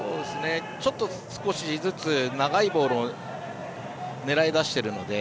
ちょっと少しずつ長いボールを狙いだしているので。